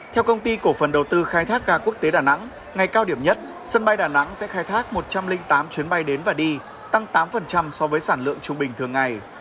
theo công ty cổ phần đầu tư khai thác ga quốc tế đà nẵng ngày cao điểm nhất sân bay đà nẵng sẽ khai thác một trăm linh tám chuyến bay đến và đi tăng tám so với sản lượng trung bình thường ngày